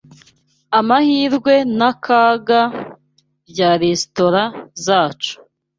Amahirwe n’Akaga bya Resitora Zacu